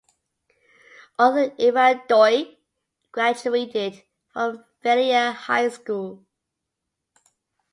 Author Ivan Doig graduated from Valier High School.